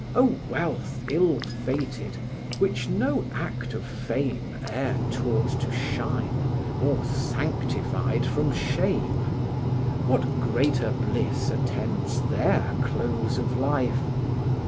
Oh, wealth ill fated! which no act of fame E'er taught to shine, or sanctified from shame; What greater bliss attends their close of life?